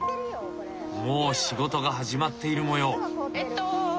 もう仕事が始まっているもよう。